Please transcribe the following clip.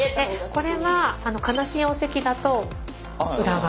これは悲しいお席だと裏側。